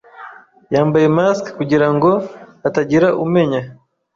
Yambaye mask kugirango hatagira umenya.